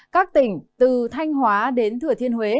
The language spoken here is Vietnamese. các tỉnh từ thanh hóa đến thừa thiên huế